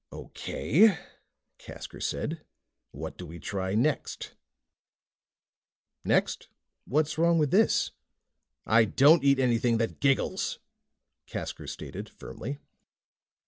"Okay," Casker said, "what do we try next?" "Next? What's wrong with this?" "I don't eat anything that giggles," Casker stated firmly.